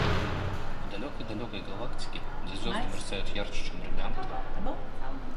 В далекой-далекой галактике, где звезды мерцают ярче, чем бриллианты,